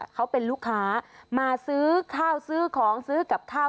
เขาเป็นลูกค้ามาซื้อข้าวซื้อของซื้อกับข้าว